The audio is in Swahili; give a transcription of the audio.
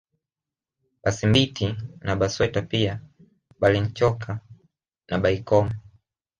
Basimbiti na Basweta pia Barenchoka na Baikoma